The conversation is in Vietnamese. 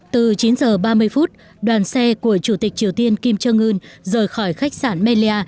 từ chín h ba mươi phút đoàn xe của chủ tịch triều tiên kim jong un rời khỏi khách sạn melia